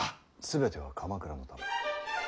全ては鎌倉のため。